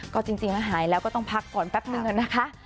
ก็จริงแล้วหายแล้วก็ต้องพักก่อนแป๊บนึงนะคะ